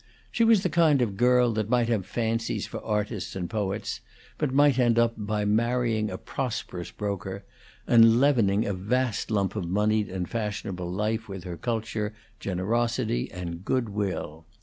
She was the kind of girl that might have fancies for artists and poets, but might end by marrying a prosperous broker, and leavening a vast lump of moneyed and fashionable life with her culture, generosity, and good will.